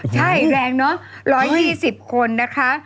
ใช่แรงเนอะ๑๒๐คนนะคะ